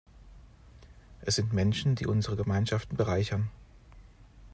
Es sind Menschen, die unsere Gemeinschaften bereichern.